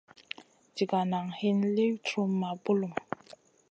Ɗiga nan hin liw truhma bulum.